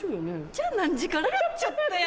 じゃ何時からやっちょっとや。